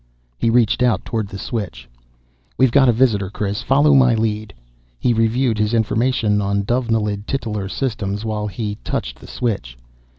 He reached out toward the switch. "We've got a visitor, Chris. Follow my lead." He reviewed his information on Dovenilid titular systems while he touched the switch.